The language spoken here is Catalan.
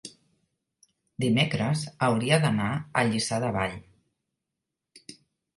dimecres hauria d'anar a Lliçà de Vall.